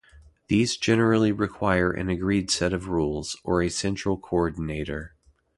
These generally require an agreed set of rules, or a central coordinator.